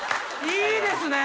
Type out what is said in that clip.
いいですね！